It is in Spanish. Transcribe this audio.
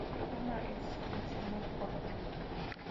Tuvo una existencia muy corta.